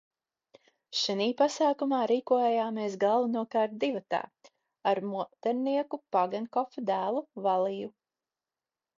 Šinī pasākumā rīkojāmies galvenokārt divatā ar modernieka Pagenkopfa dēlu Valiju.